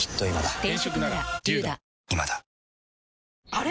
あれ？